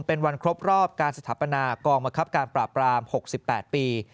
เป็นวันครบรอบการสถาปนากองบังคับการปราบราม๖๘ปี